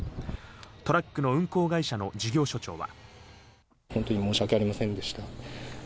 トラックの運行会社の事業所長は。